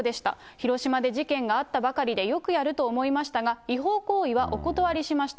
広島で事件があったばかりでよくやると思いましたが、違法行為はお断りしました。